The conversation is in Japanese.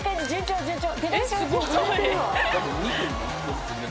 順調。